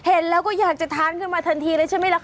เห็นแล้วก็อยากจะทานขึ้นมาทันทีเลยใช่ไหมล่ะค